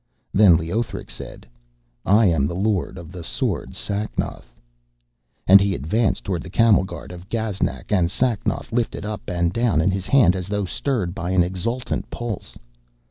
Then Leothric said: 'I am the Lord of the sword Sacnoth.' And he advanced towards the camel guard of Gaznak, and Sacnoth lifted up and down in his hand as though stirred by an exultant pulse.